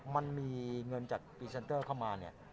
มันมีเงินจากพรีเซนเตอร์เข้ามาเนี่ย